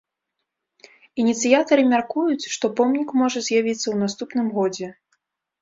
Ініцыятары мяркуюць, што помнік можа з'явіцца ў наступным годзе.